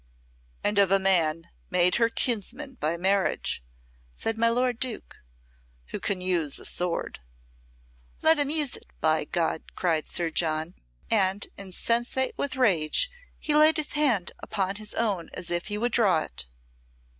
"And of a man made her kinsman by marriage," said my lord Duke, "who can use a sword." "Let him use it, by God!" cried Sir John, and insensate with rage he laid his hand upon his own as if he would draw it.